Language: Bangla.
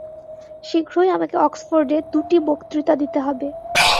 শীঘ্রই আমাকে অক্সফোর্ডে দুটি বক্তৃতা দিতে হবে।